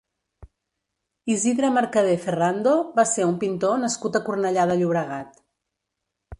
Isidre Mercadé Ferrando va ser un pintor nascut a Cornellà de Llobregat.